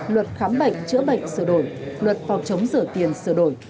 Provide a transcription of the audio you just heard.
luật khám bệnh chữa bệnh sửa đổi luật phòng chống rửa tiền sửa đổi